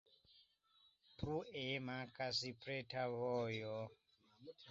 Plue mankas preta vojo.